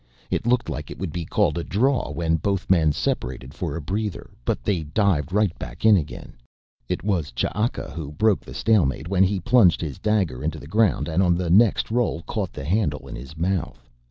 It looked like it would be called a draw when both men separated for a breather, but they dived right back in again. It was Ch'aka who broke the stalemate when he plunged his dagger into the ground and on the next roll caught the handle in his mouth.